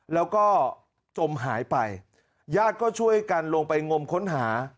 แล้วก็จมหายไปญาติก็ช่วยกันลงไปงมค้นหา